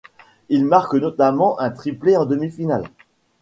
Il marque notamment un triplé en demi-finale.